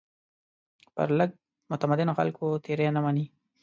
پر لږ متمدنو خلکو تېري نه مني.